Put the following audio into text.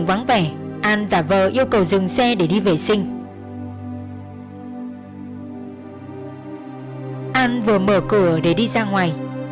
an vừa mở cửa để đi ra ngoài